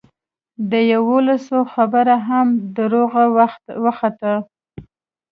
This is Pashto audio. د یوولسو خبره هم دروغه وخته.